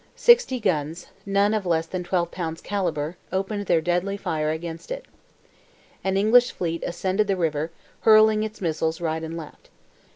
Sixty guns, none of less than 12 pounds calibre, opened their deadly fire against it. An English fleet ascended the river, hurling its missiles right and left.